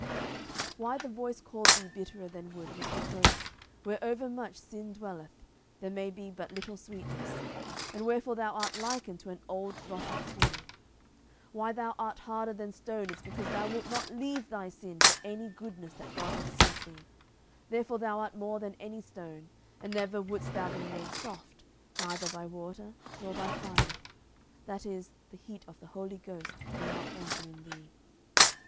"Why the voice called thee bitterer than wood was because, where overmuch sin dwelleth, there may be but little sweetness; wherefore thou art likened to an old rotten tree. Why thou art harder than stone is because thou wilt not leave thy sin for any goodness that God hath sent thee; therefore thou art more than any stone, and never wouldest thou be made soft, neither by water nor by fire, that is, the heat of the Holy Ghost may not enter in thee.